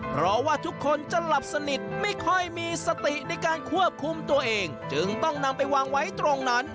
เพราะว่าทุกคนจะหลับสนิทไม่ค่อยมีสติในการควบคุมตัวเองจึงต้องนำไปวางไว้ตรงนั้น